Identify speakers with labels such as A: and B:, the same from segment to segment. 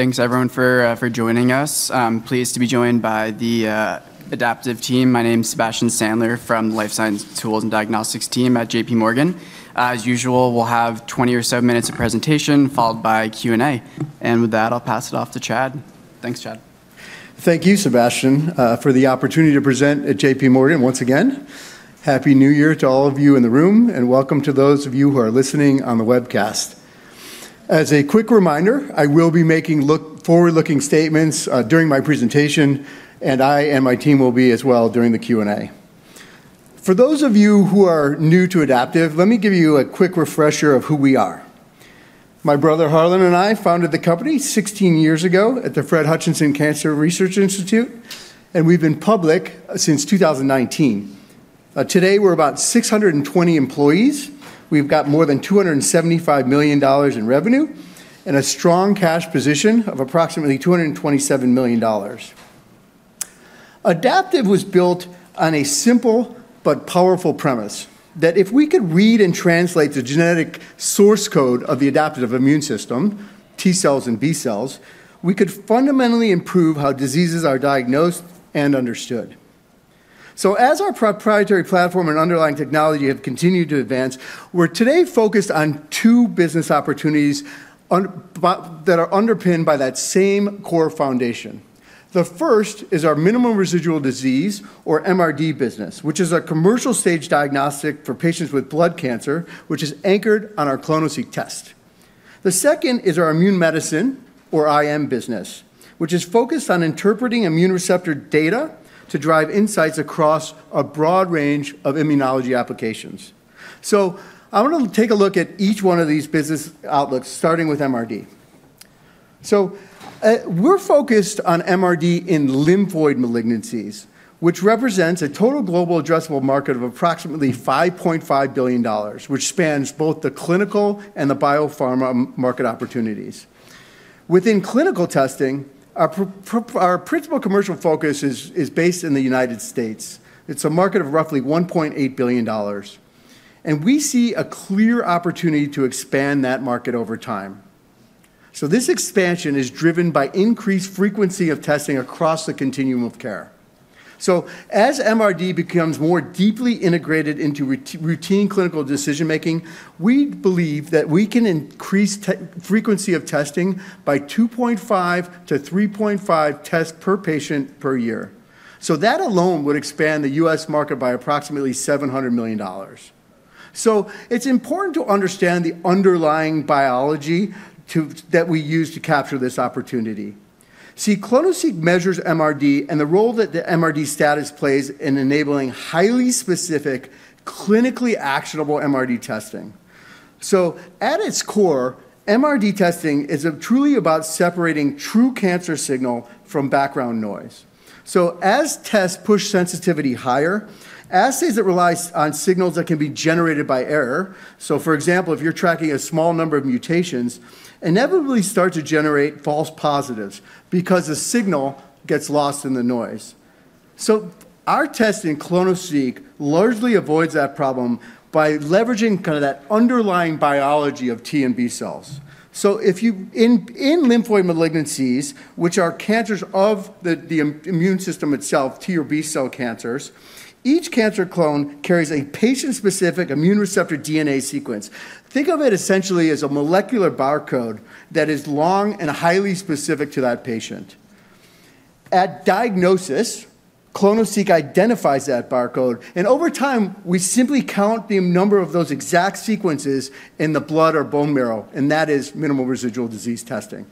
A: Thanks, everyone, for joining us. Pleased to be joined by the Adaptive team. My name is Sebastian Sandler from the Life Science Tools and Diagnostics team at JPMorgan. As usual, we'll have 20 or so minutes of presentation followed by Q&A. And with that, I'll pass it off to Chad. Thanks, Chad.
B: Thank you, Sebastian, for the opportunity to present at JPMorgan once again. Happy New Year to all of you in the room, and welcome to those of you who are listening on the webcast. As a quick reminder, I will be making forward-looking statements during my presentation, and I and my team will be as well during the Q&A. For those of you who are new to Adaptive, let me give you a quick refresher of who we are. My brother Harlan and I founded the company 16 years ago at the Fred Hutchinson Cancer Research Institute, and we've been public since 2019. Today, we're about 620 employees. We've got more than $275 million in revenue and a strong cash position of approximately $227 million. Adaptive was built on a simple but powerful premise that if we could read and translate the genetic source code of the adaptive immune system, T-cells and B-cells, we could fundamentally improve how diseases are diagnosed and understood, so as our proprietary platform and underlying technology have continued to advance, we're today focused on two business opportunities that are underpinned by that same core foundation. The first is our Minimal Residual Disease, or MRD business, which is a commercial-stage diagnostic for patients with blood cancer, which is anchored on our clonoSEQ test. The second is our Immune Medicine, or IM business, which is focused on interpreting immune receptor data to drive insights across a broad range of immunology applications, so I want to take a look at each one of these business outlooks, starting with MRD. We're focused on MRD in lymphoid malignancies, which represents a total global addressable market of approximately $5.5 billion, which spans both the clinical and the biopharma market opportunities. Within clinical testing, our principal commercial focus is based in the United States. It's a market of roughly $1.8 billion, and we see a clear opportunity to expand that market over time. This expansion is driven by increased frequency of testing across the continuum of care. As MRD becomes more deeply integrated into routine clinical decision-making, we believe that we can increase frequency of testing by 2.5 to 3.5 tests per patient per year. That alone would expand the U.S. market by approximately $700 million. It's important to understand the underlying biology that we use to capture this opportunity. See, clonoSEQ measures MRD and the role that the MRD status plays in enabling highly specific, clinically actionable MRD testing. So, at its core, MRD testing is truly about separating true cancer signal from background noise. So, as tests push sensitivity higher, assays that rely on signals that can be generated by error, so for example, if you're tracking a small number of mutations, inevitably start to generate false positives because the signal gets lost in the noise. So, our testing clonoSEQ largely avoids that problem by leveraging kind of that underlying biology of T and B-cells. So, in lymphoid malignancies, which are cancers of the immune system itself, T or B-cell cancers, each cancer clone carries a patient-specific immune receptor DNA sequence. Think of it essentially as a molecular barcode that is long and highly specific to that patient. At diagnosis, clonoSEQ identifies that barcode, and over time, we simply count the number of those exact sequences in the blood or bone marrow, and that is Minimal Residual Disease testing.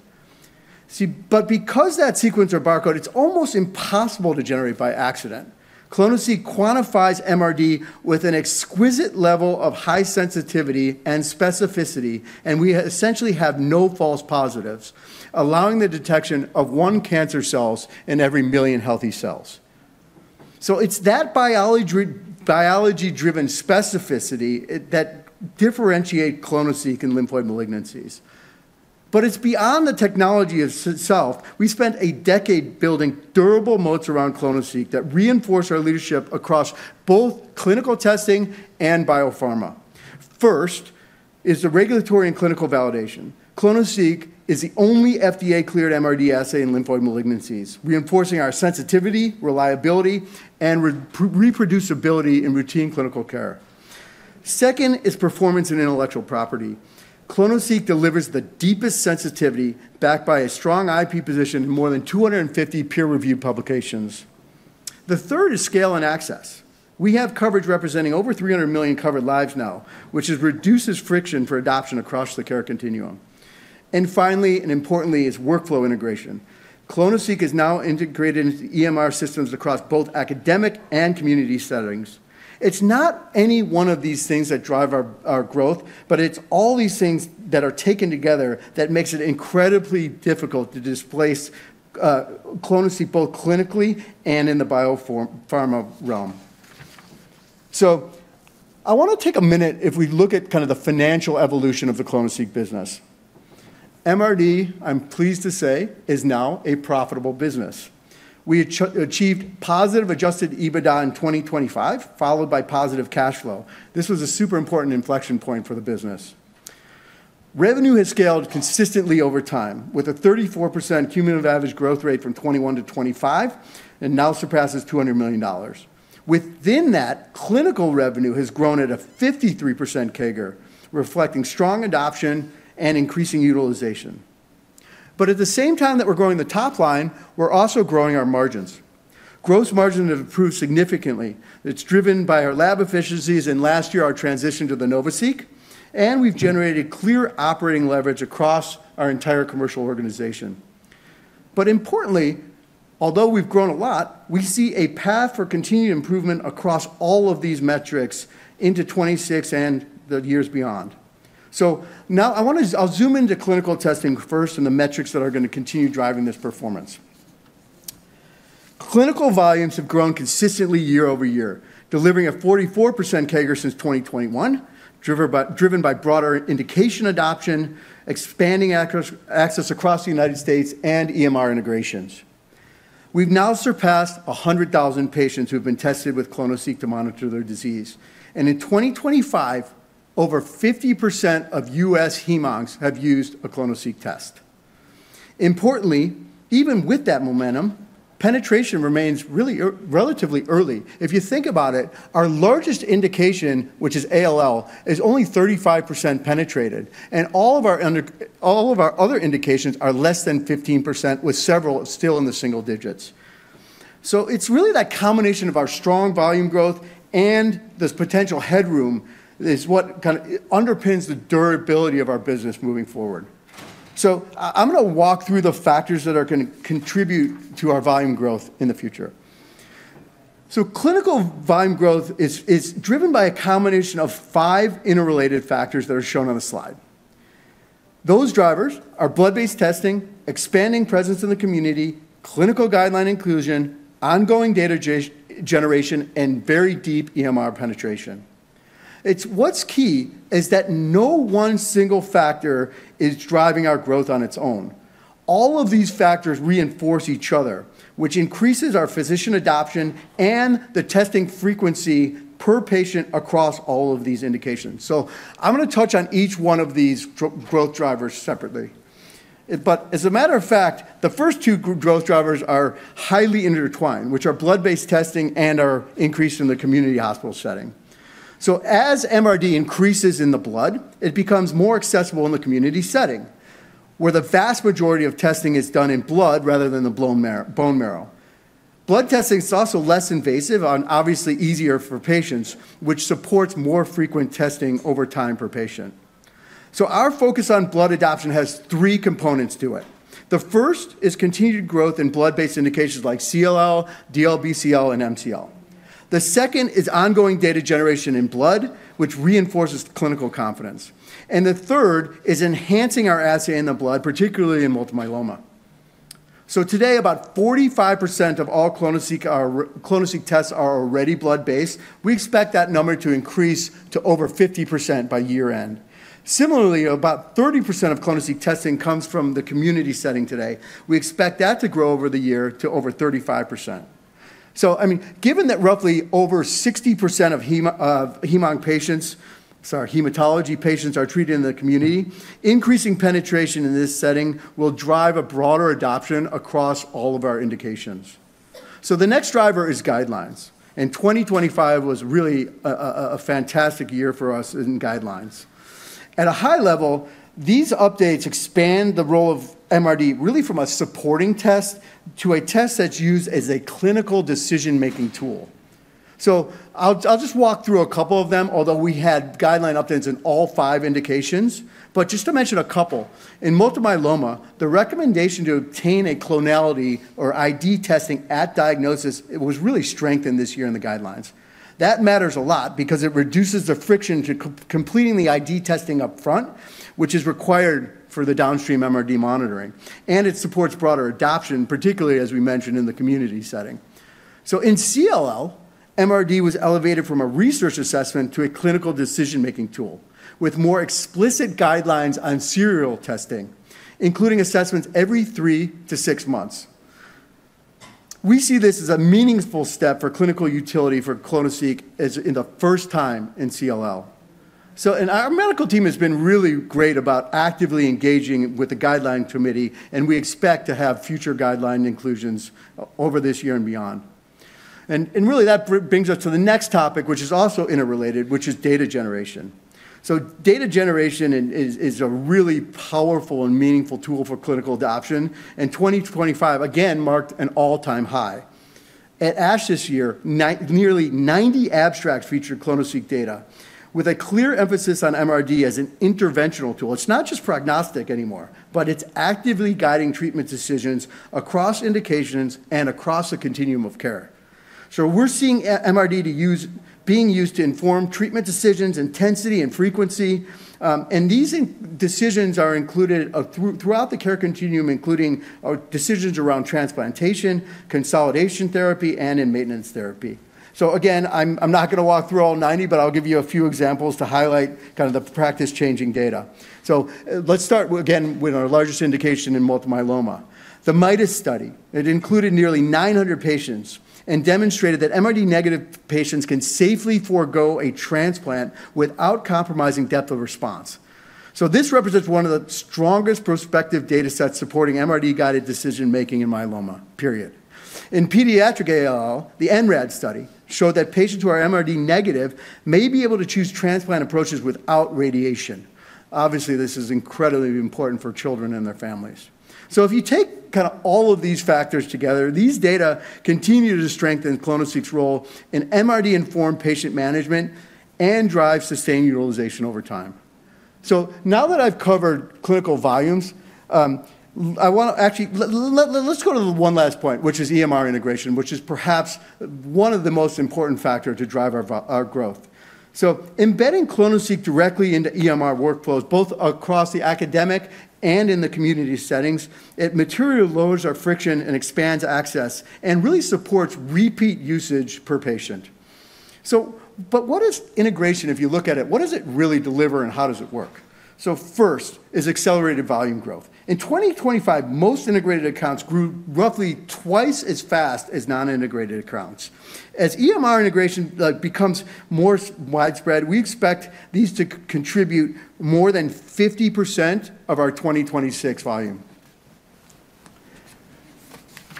B: See, but because that sequence or barcode, it's almost impossible to generate by accident. clonoSEQ quantifies MRD with an exquisite level of high sensitivity and specificity, and we essentially have no false positives, allowing the detection of one cancer cell in every million healthy cells. So, it's that biology-driven specificity that differentiates clonoSEQ and lymphoid malignancies. But it's beyond the technology itself. We spent a decade building durable moats around clonoSEQ that reinforce our leadership across both clinical testing and biopharma. First is the regulatory and clinical validation. clonoSEQ is the only FDA-cleared MRD assay in lymphoid malignancies, reinforcing our sensitivity, reliability, and reproducibility in routine clinical care. Second is performance and intellectual property. clonoSEQ delivers the deepest sensitivity backed by a strong IP position in more than 250 peer-reviewed publications. The third is scale and access. We have coverage representing over 300 million covered lives now, which reduces friction for adoption across the care continuum. And finally, and importantly, is workflow integration. clonoSEQ is now integrated into EMR systems across both academic and community settings. It's not any one of these things that drive our growth, but it's all these things that are taken together that make it incredibly difficult to displace clonoSEQ both clinically and in the biopharma realm. So, I want to take a minute if we look at kind of the financial evolution of the clonoSEQ business. MRD, I'm pleased to say, is now a profitable business. We achieved positive adjusted EBITDA in 2025, followed by positive cash flow. This was a super important inflection point for the business. Revenue has scaled consistently over time with a 34% cumulative average growth rate from 2021-2025 and now surpasses $200 million. Within that, clinical revenue has grown at a 53% CAGR, reflecting strong adoption and increasing utilization. But at the same time that we're growing the top line, we're also growing our margins. Gross margin has improved significantly. It's driven by our lab efficiencies, and last year, our transition to the NovaSeq, and we've generated clear operating leverage across our entire commercial organization. But importantly, although we've grown a lot, we see a path for continued improvement across all of these metrics into 2026 and the years beyond. So now I want to, I'll zoom into clinical testing first and the metrics that are going to continue driving this performance. Clinical volumes have grown consistently year-over-year, delivering a 44% CAGR since 2021, driven by broader indication adoption, expanding access across the United States, and EMR integrations. We've now surpassed 100,000 patients who have been tested with clonoSEQ to monitor their disease. And in 2025, over 50% of U.S. heme-oncs have used a clonoSEQ test. Importantly, even with that momentum, penetration remains really relatively early. If you think about it, our largest indication, which is ALL, is only 35% penetrated, and all of our other indications are less than 15%, with several still in the single digits. So it's really that combination of our strong volume growth and this potential headroom is what kind of underpins the durability of our business moving forward. So I'm going to walk through the factors that are going to contribute to our volume growth in the future. So clinical volume growth is driven by a combination of five interrelated factors that are shown on the slide. Those drivers are blood-based testing, expanding presence in the community, clinical guideline inclusion, ongoing data generation, and very deep EMR penetration. It's what's key is that no one single factor is driving our growth on its own. All of these factors reinforce each other, which increases our physician adoption and the testing frequency per patient across all of these indications. So I'm going to touch on each one of these growth drivers separately. But as a matter of fact, the first two growth drivers are highly intertwined, which are blood-based testing and are increased in the community hospital setting. So as MRD increases in the blood, it becomes more accessible in the community setting, where the vast majority of testing is done in blood rather than the bone marrow. Blood testing is also less invasive and obviously easier for patients, which supports more frequent testing over time per patient, so our focus on blood adoption has three components to it. The first is continued growth in blood-based indications like CLL, DLBCL, and MCL. The second is ongoing data generation in blood, which reinforces clinical confidence, and the third is enhancing our assay in the blood, particularly in multiple myeloma, so today, about 45% of all clonoSEQ tests are already blood-based. We expect that number to increase to over 50% by year-end. Similarly, about 30% of clonoSEQ testing comes from the community setting today. We expect that to grow over the year to over 35%, so, I mean, given that roughly over 60% of heme-onc patients, sorry, hematology patients are treated in the community, increasing penetration in this setting will drive a broader adoption across all of our indications. So the next driver is guidelines. And 2025 was really a fantastic year for us in guidelines. At a high level, these updates expand the role of MRD really from a supporting test to a test that's used as a clinical decision-making tool. So I'll just walk through a couple of them, although we had guideline updates in all five indications. But just to mention a couple, in multiple myeloma, the recommendation to obtain a clonality or ID testing at diagnosis was really strengthened this year in the guidelines. That matters a lot because it reduces the friction to completing the ID testing upfront, which is required for the downstream MRD monitoring. And it supports broader adoption, particularly, as we mentioned, in the community setting. In CLL, MRD was elevated from a research assessment to a clinical decision-making tool with more explicit guidelines on serial testing, including assessments every three to six months. We see this as a meaningful step for clinical utility for clonoSEQ for the first time in CLL. Our medical team has been really great about actively engaging with the guideline committee, and we expect to have future guideline inclusions over this year and beyond. Really, that brings us to the next topic, which is also interrelated, which is data generation. Data generation is a really powerful and meaningful tool for clinical adoption. In 2025, again, marked an all-time high. At ASH this year, nearly 90 abstracts featured clonoSEQ data with a clear emphasis on MRD as an interventional tool. It's not just prognostic anymore, but it's actively guiding treatment decisions across indications and across the continuum of care, so we're seeing MRD being used to inform treatment decisions, intensity, and frequency, and these decisions are included throughout the care continuum, including decisions around transplantation, consolidation therapy, and in maintenance therapy, so again, I'm not going to walk through all 90, but I'll give you a few examples to highlight kind of the practice-changing data, so let's start again with our largest indication in multiple myeloma. The MIDAS study, it included nearly 900 patients and demonstrated that MRD-negative patients can safely forego a transplant without compromising depth of response, so this represents one of the strongest prospective data sets supporting MRD-guided decision-making in myeloma, period. In pediatric ALL, the NRAD study showed that patients who are MRD-negative may be able to choose transplant approaches without radiation. Obviously, this is incredibly important for children and their families. So if you take kind of all of these factors together, these data continue to strengthen clonoSEQ's role in MRD-informed patient management and drive sustained utilization over time, so now that I've covered clinical volumes, I want to actually, let's go to the one last point, which is EMR integration, which is perhaps one of the most important factors to drive our growth. So embedding clonoSEQ directly into EMR workflows, both across the academic and in the community settings, it materializes our friction and expands access and really supports repeat usage per patient, so but what is integration? If you look at it, what does it really deliver and how does it work? So first is accelerated volume growth. In 2025, most integrated accounts grew roughly twice as fast as non-integrated accounts. As EMR integration becomes more widespread, we expect these to contribute more than 50% of our 2026 volume.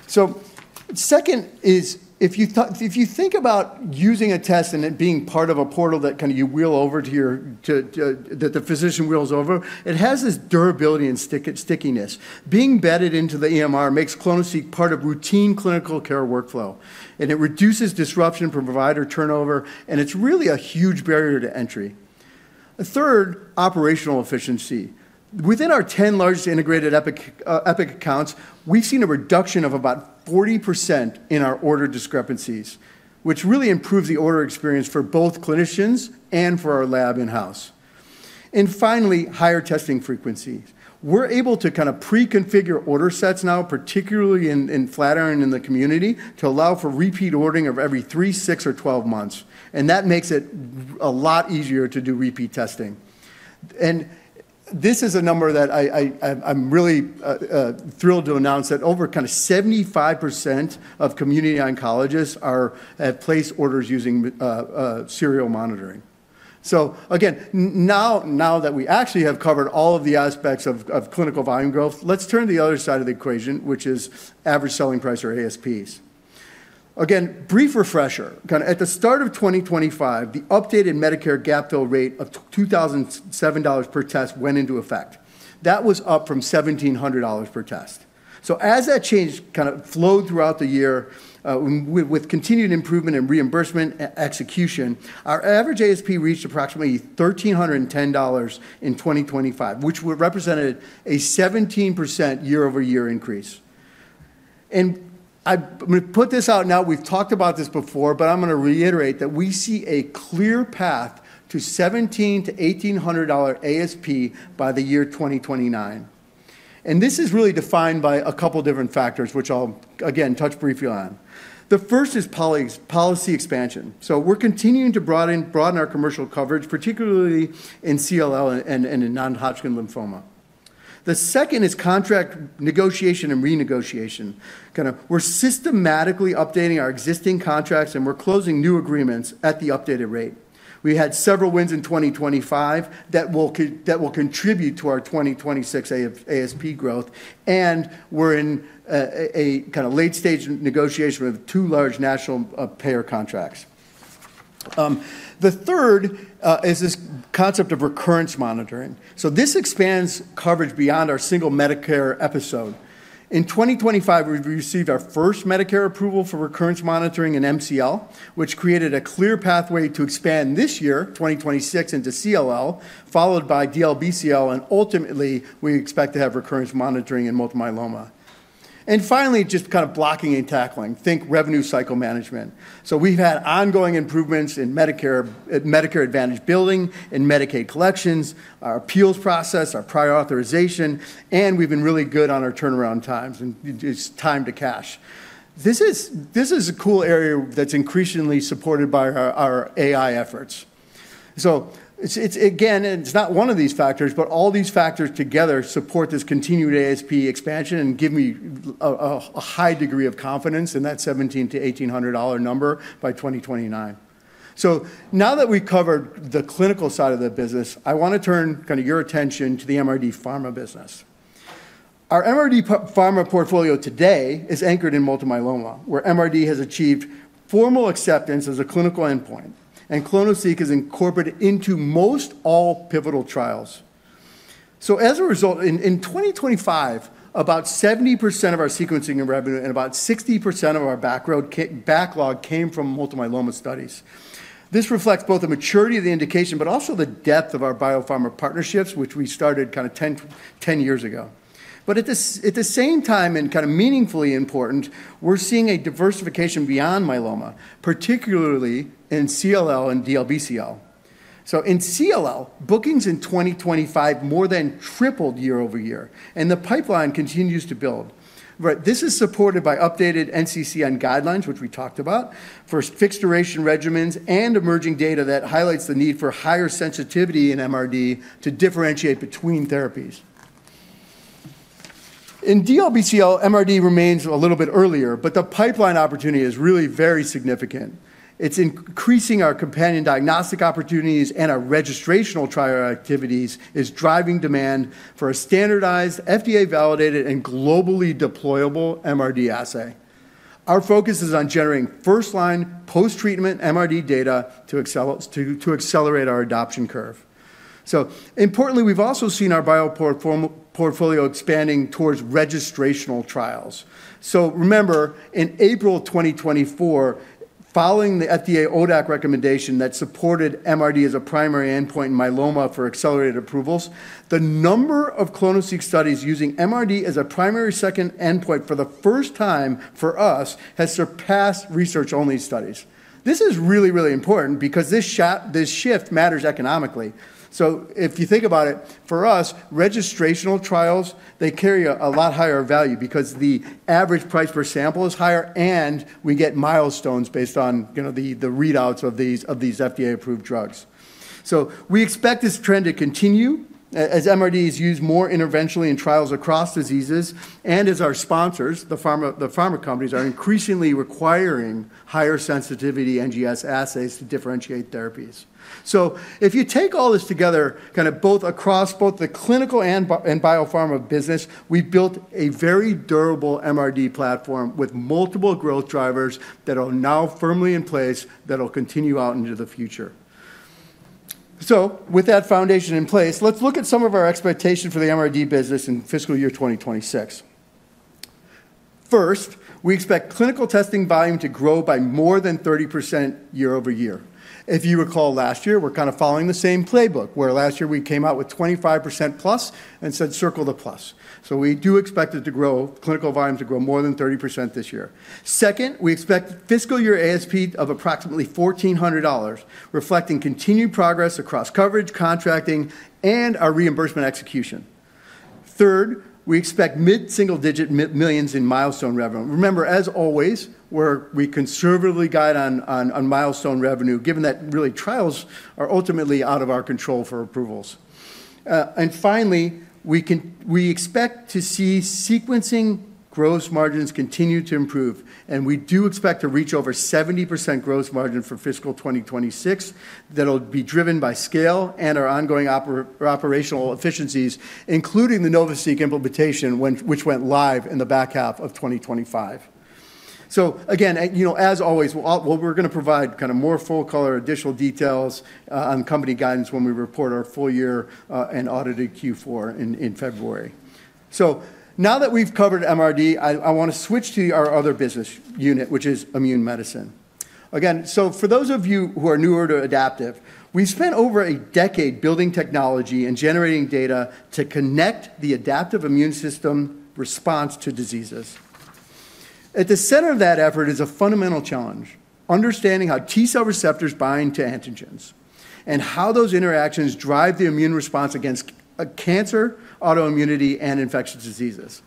B: So second is, if you think about using a test and it being part of a portal that kind of you wheel over to your, that the physician wheels over, it has this durability and stickiness. Being embedded into the EMR makes clonoSEQ part of routine clinical care workflow, and it reduces disruption from provider turnover, and it's really a huge barrier to entry. Third, operational efficiency. Within our 10 largest integrated Epic accounts, we've seen a reduction of about 40% in our order discrepancies, which really improves the order experience for both clinicians and for our lab in-house. And finally, higher testing frequency. We're able to kind of pre-configure order sets now, particularly in Flatiron and in the community, to allow for repeat ordering of every three, six, or twelve months. That makes it a lot easier to do repeat testing. This is a number that I'm really thrilled to announce that over kind of 75% of community oncologists have placed orders using serial monitoring. Again, now that we actually have covered all of the aspects of clinical volume growth, let's turn to the other side of the equation, which is average selling price or ASPs. Again, brief refresher. Kind of at the start of 2025, the updated Medicare gapfill rate of $2,007 per test went into effect. That was up from $1,700 per test. As that change kind of flowed throughout the year with continued improvement and reimbursement execution, our average ASP reached approximately $1,310 in 2025, which would represent a 17% year-over-year increase. I'm going to put this out now. We've talked about this before, but I'm going to reiterate that we see a clear path to $1,700-$1,800 ASP by the year 2029. And this is really defined by a couple of different factors, which I'll again touch briefly on. The first is policy expansion. So we're continuing to broaden our commercial coverage, particularly in CLL and in non-Hodgkin lymphoma. The second is contract negotiation and renegotiation. Kind of we're systematically updating our existing contracts, and we're closing new agreements at the updated rate. We had several wins in 2025 that will contribute to our 2026 ASP growth, and we're in a kind of late-stage negotiation with two large national payer contracts. The third is this concept of recurrence monitoring. So this expands coverage beyond our single Medicare episode. In 2025, we received our first Medicare approval for recurrence monitoring in MCL, which created a clear pathway to expand this year, 2026, into CLL, followed by DLBCL, and ultimately, we expect to have recurrence monitoring in multiple myeloma, and finally, just kind of blocking and tackling, think revenue cycle management, so we've had ongoing improvements in Medicare Advantage building, in Medicaid collections, our appeals process, our prior authorization, and we've been really good on our turnaround times and time to cash. This is a cool area that's increasingly supported by our AI efforts, so again, it's not one of these factors, but all these factors together support this continued ASP expansion and give me a high degree of confidence in that $1,700-$1,800 number by 2029. So now that we've covered the clinical side of the business, I want to turn kind of your attention to the MRD pharma business. Our MRD pharma portfolio today is anchored in multiple myeloma, where MRD has achieved formal acceptance as a clinical endpoint, and clonoSEQ is incorporated into most all pivotal trials, so as a result, in 2025, about 70% of our sequencing and revenue and about 60% of our backlog came from multiple myeloma studies. This reflects both the maturity of the indication, but also the depth of our biopharma partnerships, which we started kind of 10 years ago, but at the same time, and kind of meaningfully important, we're seeing a diversification beyond myeloma, particularly in CLL and DLBCL, so in CLL, bookings in 2025 more than tripled year-over-year, and the pipeline continues to build. This is supported by updated NCCN guidelines, which we talked about for fixed duration regimens and emerging data that highlights the need for higher sensitivity in MRD to differentiate between therapies. In DLBCL, MRD remains a little bit earlier, but the pipeline opportunity is really very significant. It's increasing our companion diagnostic opportunities and our registrational trial activities is driving demand for a standardized, FDA-validated, and globally deployable MRD assay. Our focus is on generating first-line post-treatment MRD data to accelerate our adoption curve. So importantly, we've also seen our bio portfolio expanding towards registrational trials. So remember, in April 2024, following the FDA ODAC recommendation that supported MRD as a primary endpoint in myeloma for accelerated approvals, the number of clonoSEQ studies using MRD as a primary second endpoint for the first time for us has surpassed research-only studies. This is really, really important because this shift matters economically. So if you think about it, for us, registrational trials, they carry a lot higher value because the average price per sample is higher, and we get milestones based on the readouts of these FDA-approved drugs. So we expect this trend to continue as MRD is used more interventionally in trials across diseases, and as our sponsors, the pharma companies, are increasingly requiring higher sensitivity NGS assays to differentiate therapies. So if you take all this together, kind of both across both the clinical and biopharma business, we built a very durable MRD platform with multiple growth drivers that are now firmly in place that will continue out into the future. So with that foundation in place, let's look at some of our expectations for the MRD business in fiscal year 2026. First, we expect clinical testing volume to grow by more than 30% year-over-year. If you recall last year, we're kind of following the same playbook, where last year we came out with 25%+ and said circle the plus. So we do expect it to grow, clinical volume to grow more than 30% this year. Second, we expect fiscal year ASP of approximately $1,400, reflecting continued progress across coverage, contracting, and our reimbursement execution. Third, we expect mid-single-digit millions in milestone revenue. Remember, as always, we're conservatively guided on milestone revenue, given that really trials are ultimately out of our control for approvals. And finally, we expect to see sequencing gross margins continue to improve, and we do expect to reach over 70% gross margin for fiscal 2026 that will be driven by scale and our ongoing operational efficiencies, including the NovaSeq implementation, which went live in the back half of 2025. So again, as always, we're going to provide kind of more full-color additional details on company guidance when we report our full year and audited Q4 in February. So now that we've covered MRD, I want to switch to our other business unit, which is Immune Medicine. Again, so for those of you who are newer to Adaptive, we spent over a decade building technology and generating data to connect the adaptive immune system response to diseases. At the center of that effort is a fundamental challenge: understanding how T-cell receptors bind to antigens and how those interactions drive the immune response against cancer, autoimmunity, and infectious diseases.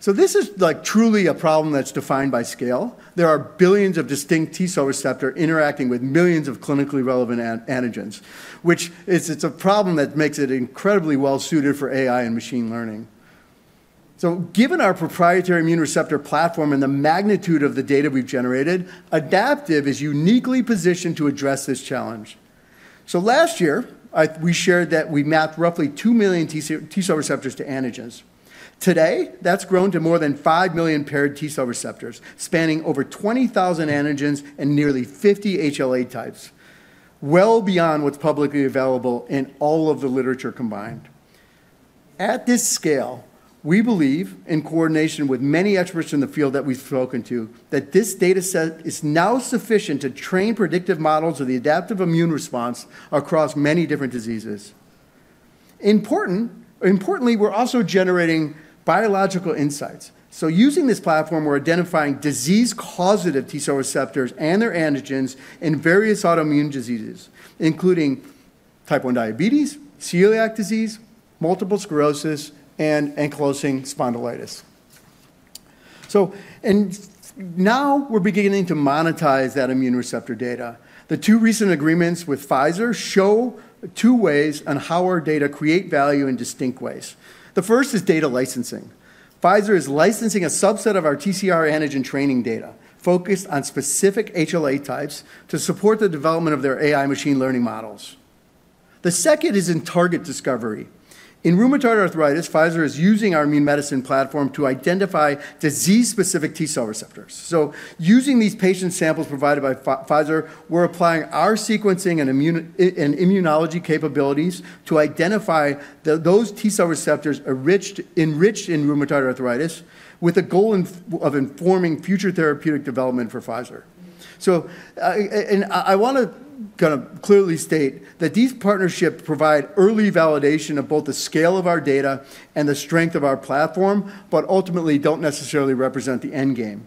B: So this is truly a problem that's defined by scale. There are billions of distinct T-cell receptors interacting with millions of clinically relevant antigens, which is a problem that makes it incredibly well-suited for AI and machine learning. Given our proprietary immune receptor platform and the magnitude of the data we've generated, Adaptive is uniquely positioned to address this challenge. Last year, we shared that we mapped roughly two million T-cell receptors to antigens. Today, that's grown to more than five million paired T-cell receptors, spanning over 20,000 antigens and nearly 50 HLA types, well beyond what's publicly available in all of the literature combined. At this scale, we believe, in coordination with many experts in the field that we've spoken to, that this dataset is now sufficient to train predictive models of the adaptive immune response across many different diseases. Importantly, we're also generating biological insights. Using this platform, we're identifying disease-causative T-cell receptors and their antigens in various autoimmune diseases, including type 1 diabetes, celiac disease, multiple sclerosis, and ankylosing spondylitis. Now we're beginning to monetize that immune receptor data. The two recent agreements with Pfizer show two ways on how our data create value in distinct ways. The first is data licensing. Pfizer is licensing a subset of our TCR antigen training data focused on specific HLA types to support the development of their AI machine learning models. The second is in target discovery. In rheumatoid arthritis, Pfizer is using our Immune Medicine platform to identify disease-specific T-cell receptors, so using these patient samples provided by Pfizer, we're applying our sequencing and immunology capabilities to identify those T-cell receptors enriched in rheumatoid arthritis with a goal of informing future therapeutic development for Pfizer, so I want to kind of clearly state that these partnerships provide early validation of both the scale of our data and the strength of our platform, but ultimately don't necessarily represent the end game.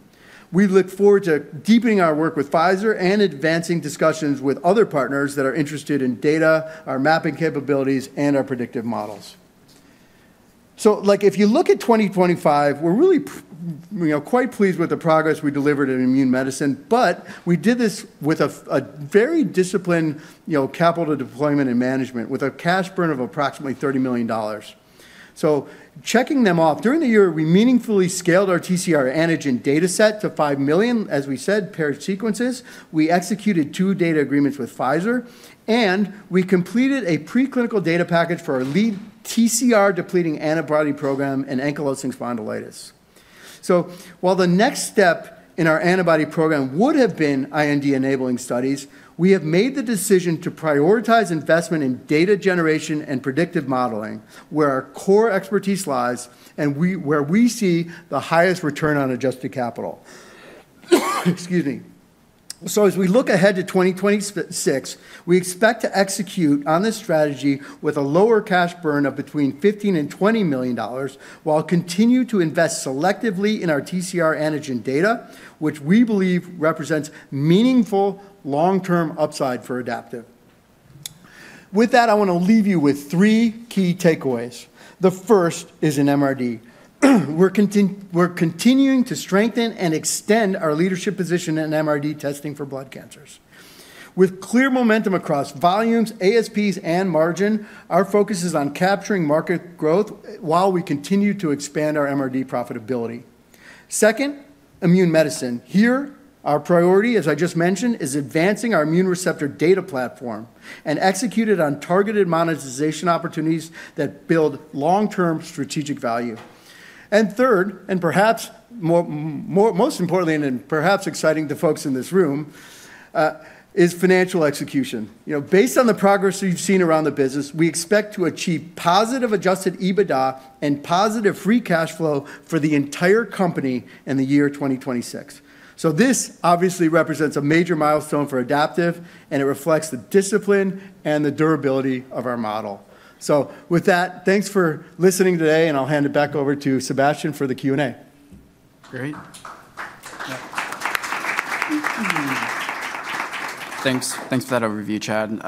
B: We look forward to deepening our work with Pfizer and advancing discussions with other partners that are interested in data, our mapping capabilities, and our predictive models. So if you look at 2025, we're really quite pleased with the progress we delivered in Immune Medicine, but we did this with a very disciplined capital deployment and management with a cash burn of approximately $30 million. So checking them off, during the year, we meaningfully scaled our TCR antigen dataset to five million, as we said, paired sequences. We executed two data agreements with Pfizer, and we completed a preclinical data package for our lead TCR depleting antibody program in ankylosing spondylitis. So while the next step in our antibody program would have been IND-enabling studies, we have made the decision to prioritize investment in data generation and predictive modeling, where our core expertise lies and where we see the highest return on adjusted capital. Excuse me. So as we look ahead to 2026, we expect to execute on this strategy with a lower cash burn of between $15 million and $20 million while continue to invest selectively in our TCR antigen data, which we believe represents meaningful long-term upside for Adaptive. With that, I want to leave you with three key takeaways. The first is in MRD. We're continuing to strengthen and extend our leadership position in MRD testing for blood cancers. With clear momentum across volumes, ASPs, and margin, our focus is on capturing market growth while we continue to expand our MRD profitability. Second, Immune Medicine. Here, our priority, as I just mentioned, is advancing our immune receptor data platform and executing it on targeted monetization opportunities that build long-term strategic value and third, and perhaps most importantly, and perhaps exciting to folks in this room, is financial execution. Based on the progress we've seen around the business, we expect to achieve positive adjusted EBITDA and positive free cash flow for the entire company in the year 2026. This obviously represents a major milestone for Adaptive, and it reflects the discipline and the durability of our model. With that, thanks for listening today, and I'll hand it back over to Sebastian for the Q&A.
A: Great. Thanks for that overview, Chad.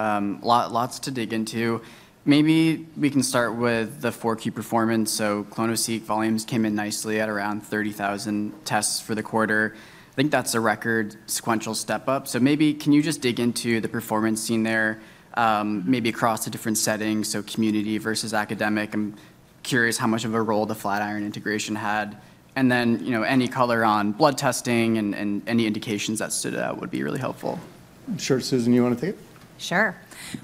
A: Lots to dig into. Maybe we can start with the 4Q performance. So clonoSEQ volumes came in nicely at around 30,000 tests for the quarter. I think that's a record sequential step up. So maybe can you just dig into the performance seen there, maybe across the different settings, so community versus academic? I'm curious how much of a role the Flatiron integration had. And then any color on blood testing and any indications that stood out would be really helpful.
B: I'm sure, Susan, you want to take it?
C: Sure.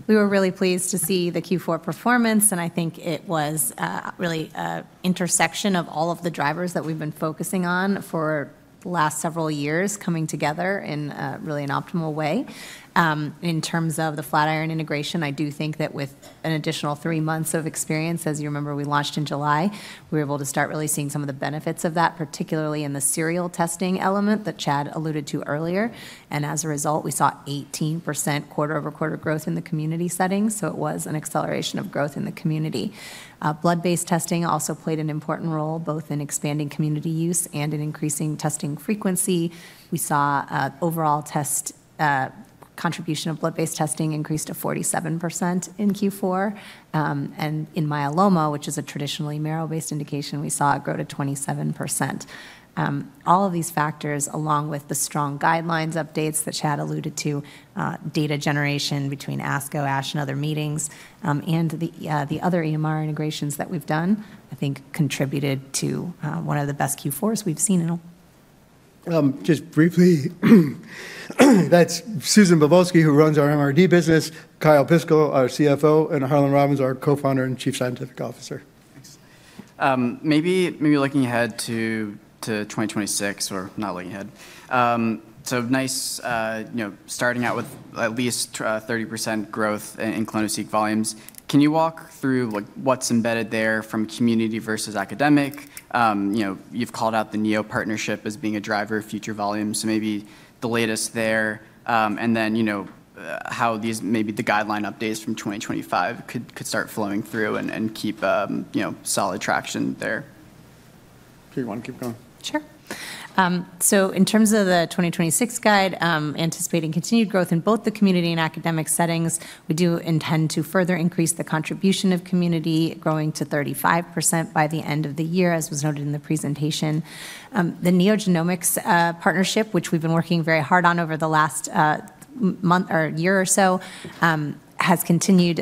C: We were really pleased to see the Q4 performance, and I think it was really an intersection of all of the drivers that we've been focusing on for the last several years coming together in really an optimal way. In terms of the Flatiron integration, I do think that with an additional three months of experience, as you remember, we launched in July, we were able to start really seeing some of the benefits of that, particularly in the serial testing element that Chad alluded to earlier. As a result, we saw 18% quarter-over-quarter growth in the community settings. It was an acceleration of growth in the community. Blood-based testing also played an important role both in expanding community use and in increasing testing frequency. We saw overall test contribution of blood-based testing increased to 47% in Q4. In myeloma, which is a traditionally marrow-based indication, we saw it grow to 27%. All of these factors, along with the strong guidelines updates that Chad alluded to, data generation between ASCO, ASH, and other meetings, and the other EMR integrations that we've done, I think contributed to one of the best Q4s we've seen.
B: Just briefly, that's Susan Bobulsky, who runs our MRD business, Kyle Piskel, our CFO, and Harlan Robins, our Co-founder and Chief Scientific Officer.
A: Maybe looking ahead to 2026, or not looking ahead, so nice starting out with at least 30% growth in clonoSEQ volumes. Can you walk through what's embedded there from community versus academic? You've called out the Neo partnership as being a driver of future volumes, so maybe the latest there. And then how maybe the guideline updates from 2025 could start flowing through and keep solid traction there.
B: Okay, you want to keep going?
C: Sure. So in terms of the 2026 guide, anticipating continued growth in both the community and academic settings, we do intend to further increase the contribution of community, growing to 35% by the end of the year, as was noted in the presentation. The NeoGenomics partnership, which we've been working very hard on over the last month or year or so, has continued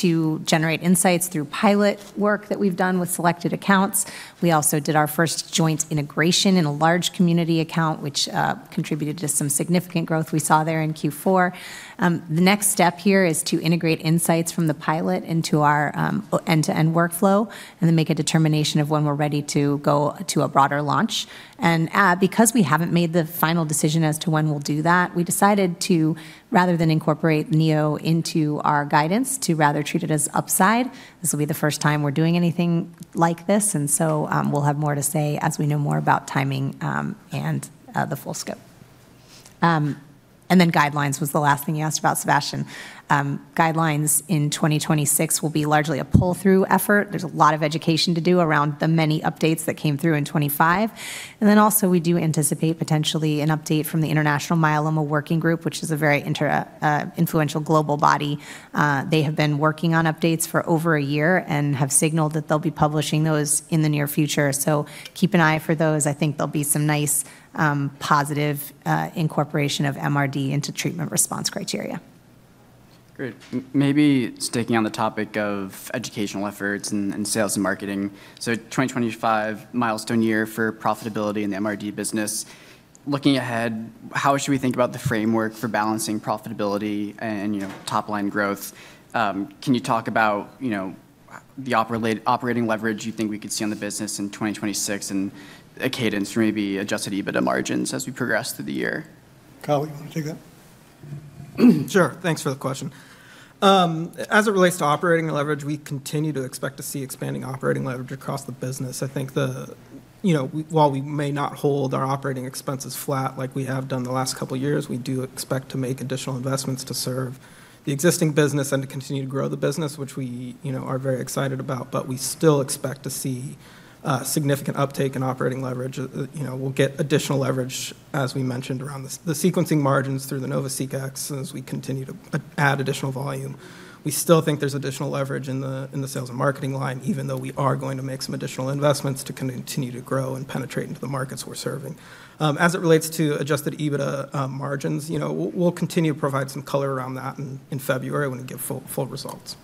C: to generate insights through pilot work that we've done with selected accounts. We also did our first joint integration in a large community account, which contributed to some significant growth we saw there in Q4. The next step here is to integrate insights from the pilot into our end-to-end workflow and then make a determination of when we're ready to go to a broader launch, and because we haven't made the final decision as to when we'll do that, we decided to, rather than incorporate Neo into our guidance, to rather treat it as upside. This will be the first time we're doing anything like this, and so we'll have more to say as we know more about timing and the full scope, and then guidelines was the last thing you asked about, Sebastian. Guidelines in 2026 will be largely a pull-through effort. There's a lot of education to do around the many updates that came through in 2025. And then also we do anticipate potentially an update from the International Myeloma Working Group, which is a very influential global body. They have been working on updates for over a year and have signaled that they'll be publishing those in the near future. So keep an eye for those. I think there'll be some nice positive incorporation of MRD into treatment response criteria.
A: Great. Maybe sticking on the topic of educational efforts and sales and marketing. So 2025 milestone year for profitability in the MRD business. Looking ahead, how should we think about the framework for balancing profitability and top-line growth? Can you talk about the operating leverage you think we could see on the business in 2026 and a cadence for maybe adjusted EBITDA margins as we progress through the year?
B: Kyle, you want to take that?
D: Sure. Thanks for the question. As it relates to operating leverage, we continue to expect to see expanding operating leverage across the business. I think while we may not hold our operating expenses flat like we have done the last couple of years, we do expect to make additional investments to serve the existing business and to continue to grow the business, which we are very excited about, but we still expect to see significant uptake in operating leverage. We'll get additional leverage, as we mentioned, around the sequencing margins through the NovaSeq as we continue to add additional volume. We still think there's additional leverage in the sales and marketing line, even though we are going to make some additional investments to continue to grow and penetrate into the markets we're serving. As it relates to adjusted EBITDA margins, we'll continue to provide some color around that in February when we get full results.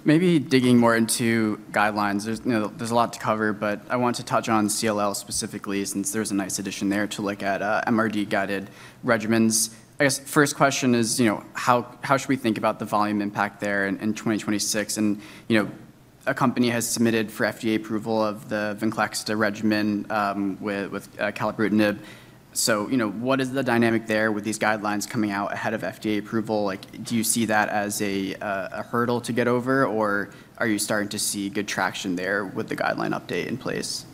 A: Okay. Maybe digging more into guidelines. There's a lot to cover, but I want to touch on CLL specifically since there's a nice addition there to look at MRD-guided regimens. I guess first question is, how should we think about the volume impact there in 2026? And a company has submitted for FDA approval of the VENCLEXTA regimen with acalabrutinib. So what is the dynamic there with these guidelines coming out ahead of FDA approval? Do you see that as a hurdle to get over, or are you starting to see good traction there with the guideline update in place?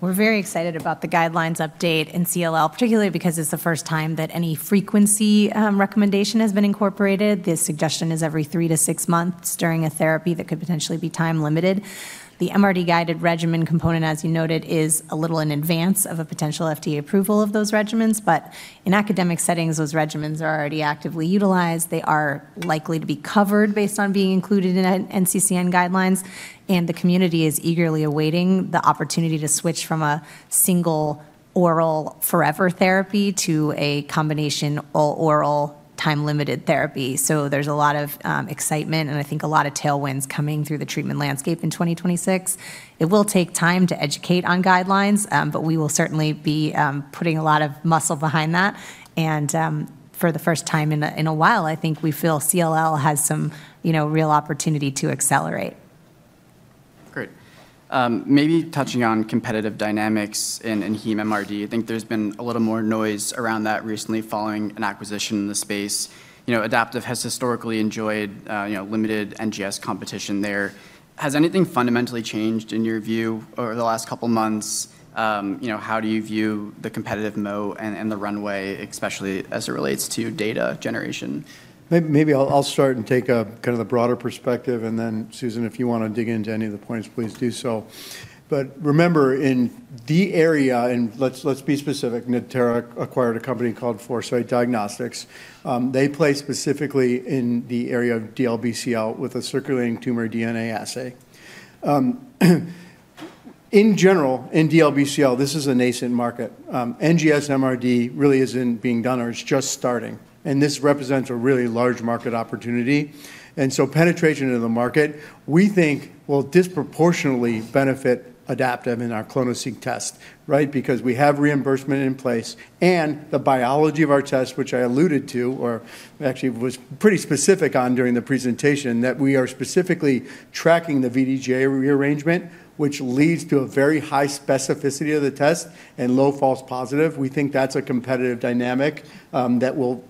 C: We're very excited about the guidelines update in CLL, particularly because it's the first time that any frequency recommendation has been incorporated. The suggestion is every three to six months during a therapy that could potentially be time-limited. The MRD-guided regimen component, as you noted, is a little in advance of a potential FDA approval of those regimens. But in academic settings, those regimens are already actively utilized. They are likely to be covered based on being included in NCCN guidelines. And the community is eagerly awaiting the opportunity to switch from a single oral forever therapy to a combination oral time-limited therapy. So there's a lot of excitement, and I think a lot of tailwinds coming through the treatment landscape in 2026. It will take time to educate on guidelines, but we will certainly be putting a lot of muscle behind that. And for the first time in a while, I think we feel CLL has some real opportunity to accelerate.
A: Great. Maybe touching on competitive dynamics in hema MRD, I think there's been a little more noise around that recently following an acquisition in the space. Adaptive has historically enjoyed limited NGS competition there. Has anything fundamentally changed in your view over the last couple of months? How do you view the competitive moat and the runway, especially as it relates to data generation?
B: Maybe I'll start and take kind of the broader perspective. Then, Susan, if you want to dig into any of the points, please do so. But remember, in the area, and let's be specific, Natera acquired a company called Foresight Diagnostics. They play specifically in the area of DLBCL with a circulating tumor DNA assay. In general, in DLBCL, this is a nascent market. NGS MRD really isn't being done or it's just starting. And this represents a really large market opportunity. And so penetration into the market, we think, will disproportionately benefit Adaptive in our clonoSEQ test, right? Because we have reimbursement in place. The biology of our test, which I alluded to, or actually was pretty specific on during the presentation, that we are specifically tracking the VDJ rearrangement, which leads to a very high specificity of the test and low false positive. We think that's a competitive dynamic that will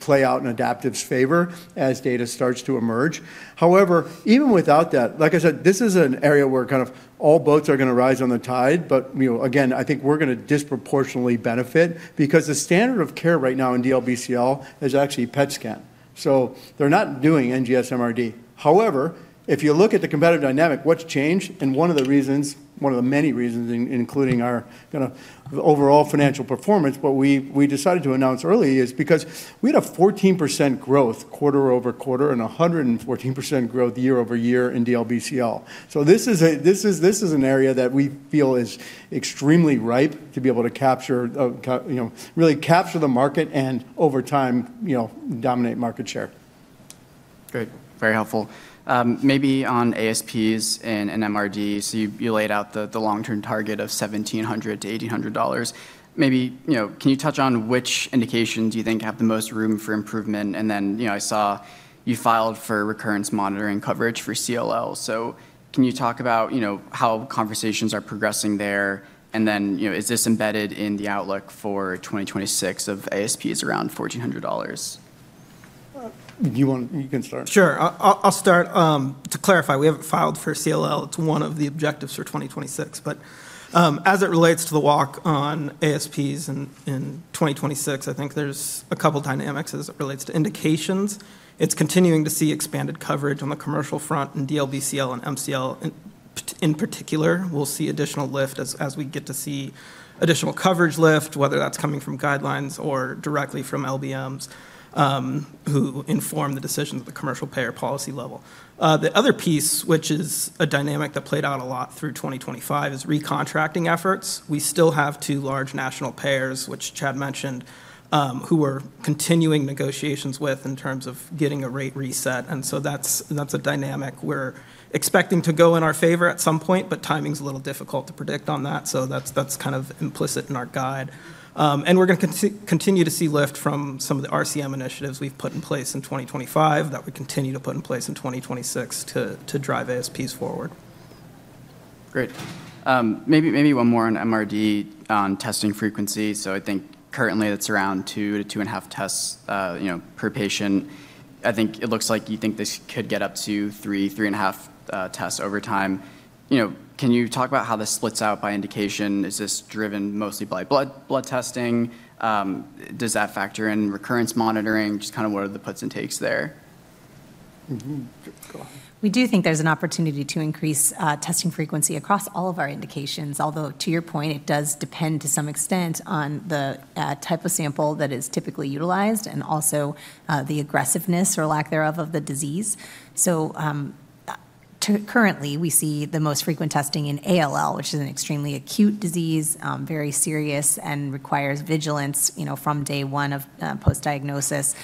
B: play out in Adaptive's favor as data starts to emerge. However, even without that, like I said, this is an area where kind of all boats are going to rise on the tide. But again, I think we're going to disproportionately benefit because the standard of care right now in DLBCL is actually PET scan. So they're not doing NGS MRD. However, if you look at the competitive dynamic, what's changed? And one of the reasons, one of the many reasons, including our kind of overall financial performance, what we decided to announce early is because we had a 14% growth quarter-over-quarter and 114% growth year-over-year in DLBCL. So this is an area that we feel is extremely ripe to be able to really capture the market and over time dominate market share.
A: Great. Very helpful. Maybe on ASPs and MRD, so you laid out the long-term target of $1,700-$1,800. Maybe can you touch on which indication do you think have the most room for improvement? And then I saw you filed for recurrence monitoring coverage for CLL. So can you talk about how conversations are progressing there? And then is this embedded in the outlook for 2026 of ASPs around $1,400?
B: You can start.
D: Sure. I'll start. To clarify, we haven't filed for CLL. It's one of the objectives for 2026, but as it relates to the walk on ASPs in 2026, I think there's a couple of dynamics as it relates to indications. It's continuing to see expanded coverage on the commercial front in DLBCL and MCL in particular. We'll see additional lift as we get to see additional coverage lift, whether that's coming from guidelines or directly from LBMs who inform the decision at the commercial payer policy level. The other piece, which is a dynamic that played out a lot through 2025, is recontracting efforts. We still have two large national payers, which Chad mentioned, who we're continuing negotiations with in terms of getting a rate reset, and so that's a dynamic we're expecting to go in our favor at some point, but timing's a little difficult to predict on that, so that's kind of implicit in our guide. We're going to continue to see lift from some of the RCM initiatives we've put in place in 2025 that we continue to put in place in 2026 to drive ASPs forward.
A: Great. Maybe one more on MRD on testing frequency. I think currently it's around two to two and a half tests per patient. I think it looks like you think this could get up to three, three and a half tests over time. Can you talk about how this splits out by indication? Is this driven mostly by blood testing? Does that factor in recurrence monitoring? Just kind of what are the puts and takes there?
C: We do think there's an opportunity to increase testing frequency across all of our indications, although to your point, it does depend to some extent on the type of sample that is typically utilized and also the aggressiveness or lack thereof of the disease, so currently, we see the most frequent testing in ALL, which is an extremely acute disease, very serious and requires vigilance from day one of post-diagnosis.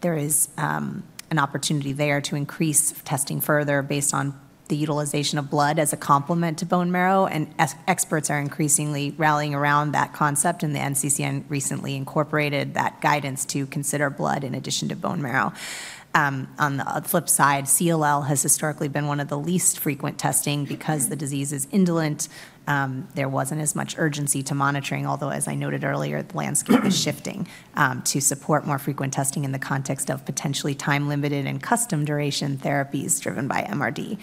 C: There is an opportunity there to increase testing further based on the utilization of blood as a complement to bone marrow, and experts are increasingly rallying around that concept, and the NCCN recently incorporated that guidance to consider blood in addition to bone marrow. On the flip side, CLL has historically been one of the least frequent testing because the disease is indolent. There wasn't as much urgency to monitoring, although as I noted earlier, the landscape is shifting to support more frequent testing in the context of potentially time-limited and custom duration therapies driven by MRD.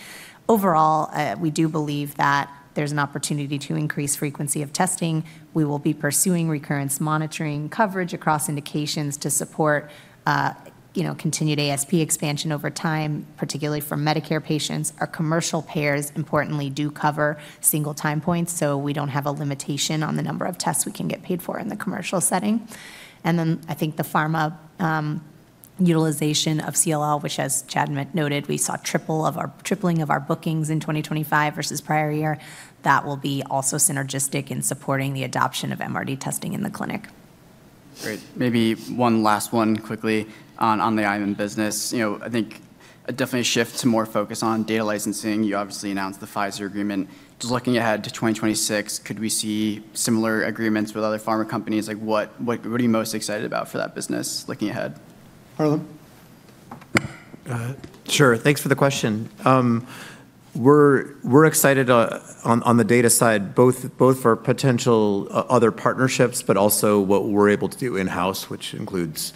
C: Overall, we do believe that there's an opportunity to increase frequency of testing. We will be pursuing recurrence monitoring coverage across indications to support continued ASP expansion over time, particularly for Medicare patients. Our commercial payers importantly do cover single time points, so we don't have a limitation on the number of tests we can get paid for in the commercial setting. And then I think the pharma utilization of CLL, which, as Chad noted, we saw tripling of our bookings in 2025 versus prior year. That will be also synergistic in supporting the adoption of MRD testing in the clinic.
A: Great. Maybe one last one quickly on the IM business. I think a definite shift to more focus on data licensing. You obviously announced the Pfizer agreement. Just looking ahead to 2026, could we see similar agreements with other pharma companies? What are you most excited about for that business looking ahead?
E: Sure. Thanks for the question. We're excited on the data side, both for potential other partnerships, but also what we're able to do in-house, which includes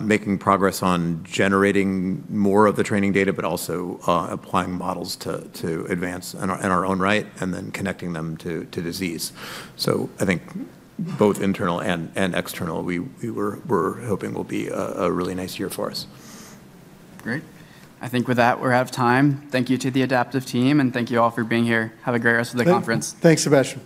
E: making progress on generating more of the training data, but also applying models to advance in our own right and then connecting them to disease. So I think both internal and external, we're hoping will be a really nice year for us.
A: Great. I think with that, we're out of time. Thank you to the Adaptive team, and thank you all for being here. Have a great rest of the conference.
B: Thanks, Sebastian.